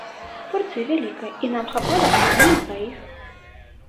Порцыя вялікія, і нам хапала адной на дваіх.